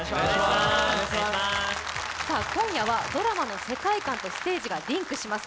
今夜はドラマの世界観とステージがリンクします。